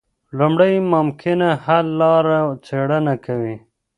لومړی د ممکنه حل لپاره څیړنه کوي.